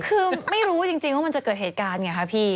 คือไม่รู้จริงว่ามันจะเกิดเหตุการณ์ไงคะพี่